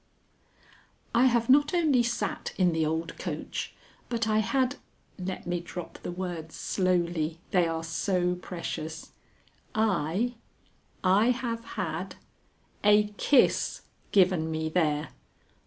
I have not only sat in the old coach, but I had (let me drop the words slowly, they are so precious) I I have had a kiss given me there.